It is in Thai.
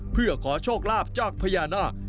เพื่อขอโชคลาภจากพญานาค